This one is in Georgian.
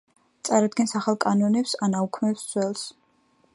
წარადგენს ახალ კანონებს ან აუქმებს ძველს.